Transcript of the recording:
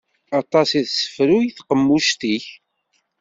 Aṭas i tessefruruy tqemmuct-ik.